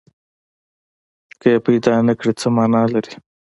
که یې پیدا نه کړي، څه معنی لري؟